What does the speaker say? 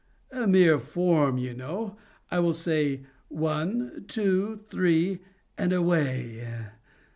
A mere form, you know. I will say 'one, two, three, and away.